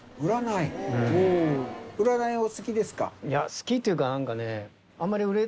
好きっていうか何かね。